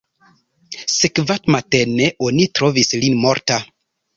Sekvamatene oni trovis lin morta.